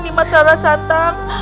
nima sara santang